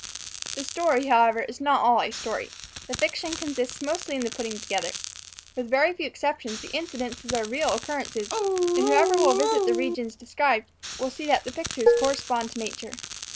The story, however, is not all a story; the fiction consists mostly in the putting together. With very few exceptions, the incidents are real occurrences; and whoever will visit the regions described, will see that the pictures correspond to nature.